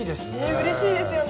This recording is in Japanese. うれしいですよね。